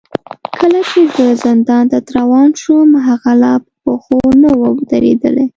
کله چې زه زندان ته روان شوم، هغه لا په پښو نه و درېدلی.